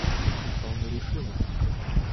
Мы полны решимости.